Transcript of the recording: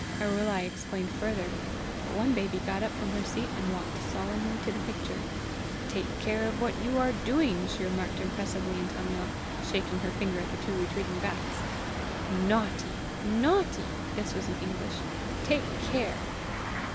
Arulai explained further. But one baby got up from her seat and walked solemnly to the picture. "Take care what you are doing!" she remarked impressively in Tamil, shaking her finger at the two retreating backs. "Naughty! naughty!" this was in English "take care!"